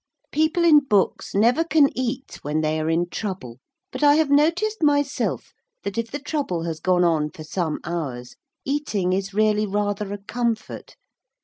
People in books never can eat when they are in trouble, but I have noticed myself that if the trouble has gone on for some hours, eating is really rather a comfort.